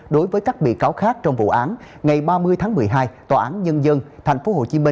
đối với các bị cáo khác trong vụ án ngày ba mươi tháng một mươi hai tòa án nhân dân tp hcm